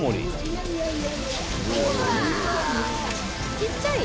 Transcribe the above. ちっちゃい？